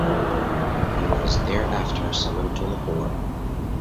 He was thereafter summoned to Lahore.